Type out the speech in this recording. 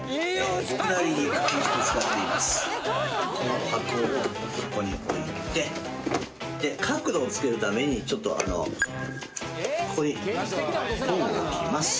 この箱をここに置いてで角度をつけるためにちょっとここに本を置きます。